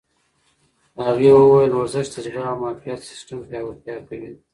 هغې وویل ورزش د زړه او معافیت سیستم پیاوړتیا کوي.